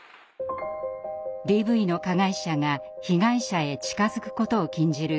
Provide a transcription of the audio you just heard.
ＤＶの加害者が被害者へ近づくことを禁じる